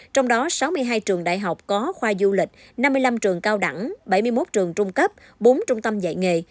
trong đó sáu mươi hai trường đại học có khoa du lịch năm mươi năm trường cao đẳng bảy mươi một trường trung cấp bốn trung tâm dạy nghề